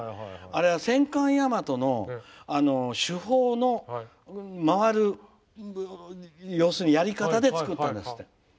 あれは戦艦大和の主砲の回るやり方で作ったんですって。